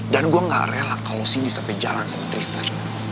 dan gue gak rela kalau cindy sampai jalan sama tristan